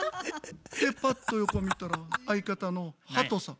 でパッと横見たら相方のハトさん。